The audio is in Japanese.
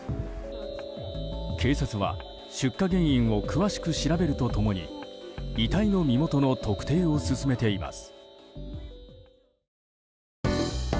警察は出火原因を詳しく調べると共に遺体の身元の特定を進めています。